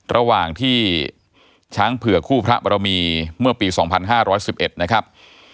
ระหว่างที่ช้างเผื่อคู่พระบรมีเมื่อปี๒๕๑๑นะครับ